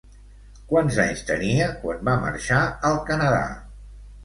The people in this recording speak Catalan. Quants anys tenia quan va marxar al Canadà?